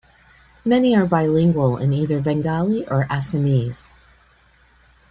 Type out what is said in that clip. Many are bilingual in either Bengali or Assamese.